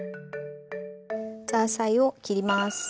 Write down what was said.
ザーサイを切ります。